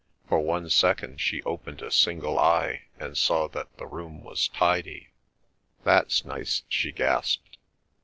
For one second she opened a single eye, and saw that the room was tidy. "That's nice," she gasped.